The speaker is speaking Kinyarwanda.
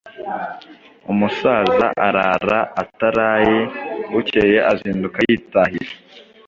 Umusaza arara ataraye, bukeye azinduka yitahira.